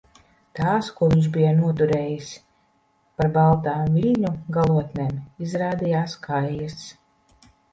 Tās, ko viņš bija noturējis par baltām viļņu galotnēm, izrādījās kaijas.